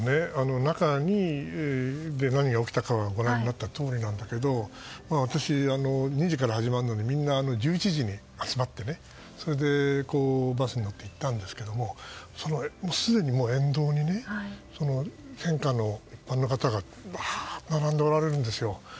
中で何が起きたかはご覧になったとおりなんだけど２時から始まるのにみんな１１時に集まってバスに乗って行ったんですがすでに沿道に献花の一般の方がワーッと並んでおられるんですよ。